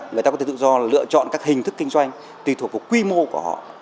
người ta có thể tự do lựa chọn các hình thức kinh doanh tùy thuộc vào quy mô của họ